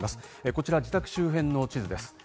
こちら自宅周辺の地図です。